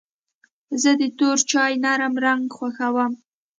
زه د تور چای نرم رنګ خوښوم.